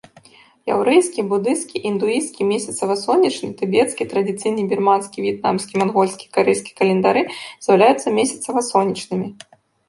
Яўрэйскі, будысцкі, індуісцкі месяцава-сонечны, тыбецкі, традыцыйны бірманскі, в'етнамскі, мангольскі і карэйскі календары з'яўляюцца месяцава-сонечнымі.